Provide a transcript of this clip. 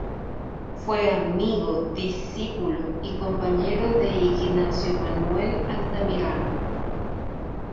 Fue amigo, discípulo y compañero de Ignacio Manuel Altamirano.